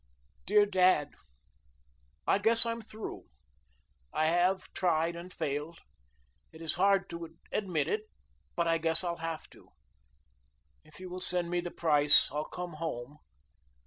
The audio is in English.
DEAR DAD: I guess I'm through, I have tried and failed. It is hard to admit it, but I guess I'll have to. If you will send me the price I'll come home.